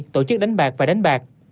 tổ chức đánh bạc và đánh bạc